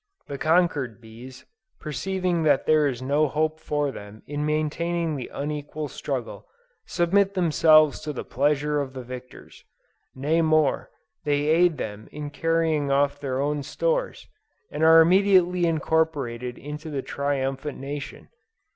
The conquered bees, perceiving that there is no hope for them in maintaining the unequal struggle, submit themselves to the pleasure of the victors; nay more, they aid them in carrying off their own stores, and are immediately incorporated into the triumphant nation!